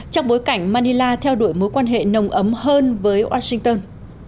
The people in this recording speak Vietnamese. trong bối cảnh manila theo đuổi mối quan hệ nồng ấm hơn với washington